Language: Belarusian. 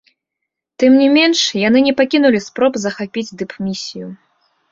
Тым не менш, яны не пакінулі спроб захапіць дыпмісію.